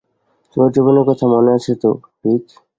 তোমার যৌবনের কথা মনে আছে তো, রিক?